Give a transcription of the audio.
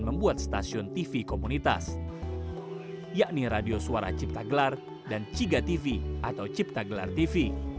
membuat stasiun tv komunitas yakni radio suara ciptagelar dan ciga tv atau ciptagelar tv